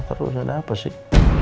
terus ada apa sih